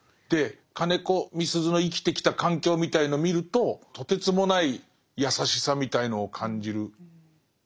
で金子みすゞの生きてきた環境みたいのを見るととてつもない優しさみたいのを感じる。